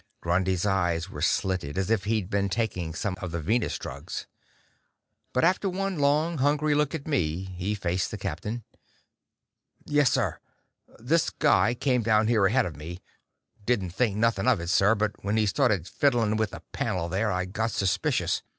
Grundy's eyes were slitted, as if he'd been taking some of the Venus drugs. But after one long, hungry look at me, he faced the captain. "Yes, sir. This guy came down here ahead of me. Didn't think nothing of it, sir. But when he started fiddling with the panel there, I got suspicious."